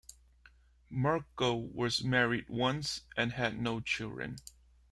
Merkel was married once and had no children.